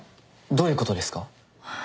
どういうことですか？